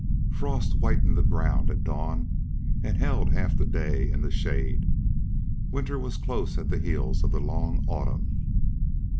Frost whitened the ground at dawn, and held half the day in the shade. Winter was close at the heels of the long autumn.